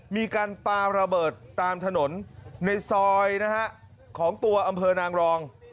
มีการปาระเบิดตามถนนในซอยนะฮะของตัวอำเภอนางรอง